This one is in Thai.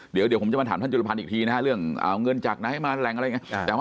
เดี๋ยวผมจะมาถามท่านจุลพันธ์อีกทีนะฮะเรื่องเอาเงินจากไหนมาแหล่งอะไรอย่างนี้